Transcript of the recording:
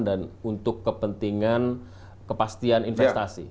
dan untuk kepentingan kepastian investasi